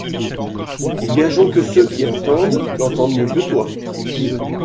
Gageons que ceux qui entendent l'entendent mieux que toi.